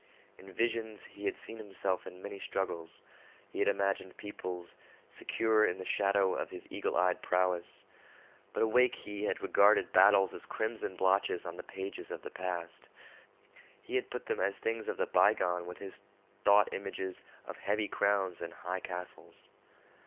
In visions he had seen himself in many struggles. He had imagined peoples secure in the shadow of his eagle eyed prowess. But awake he had regarded battles as crimson blotches on the pages of the past. He had put them as things of the bygone with his thought images of heavy crowns and high castles.